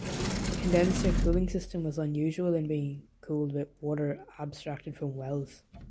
The condenser cooling system was unusual in being cooled with water abstracted from wells.